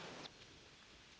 eh tante mau